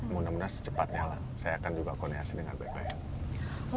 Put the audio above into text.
mudah mudahan secepatnya lah saya akan juga koordinasi dengan bpn